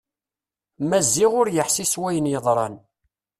Maziɣ ur yeḥsi s wayen yeḍran.